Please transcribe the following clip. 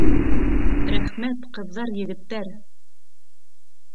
-Рәхмәт, ҡыҙҙар, егеттәр!